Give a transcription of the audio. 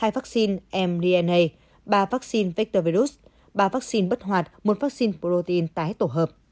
hai vaccine mrna ba vaccine vector virus ba vaccine bất hoạt một vaccine protein tái tổ hợp